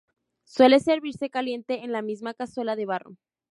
Suele servirse caliente en la misma cazuela de barro.